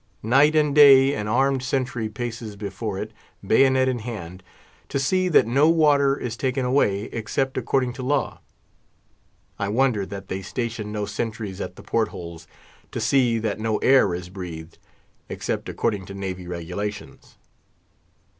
Night and day an armed sentry paces before it, bayonet in hand, to see that no water is taken away, except according to law. I wonder that they station no sentries at the port holes, to see that no air is breathed, except according to Navy regulations.